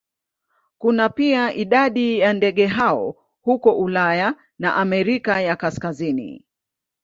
Kuna pia idadi ya ndege hao huko Ulaya na Amerika ya Kaskazini.